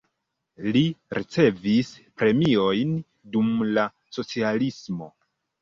Li ricevis premiojn dum la socialismo.